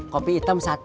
kopi hitam satu